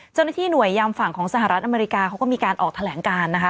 เจ้าหน้าที่หน่วยยามฝั่งของสหรัฐอเมริกาเขาก็มีการออกแถลงการนะคะ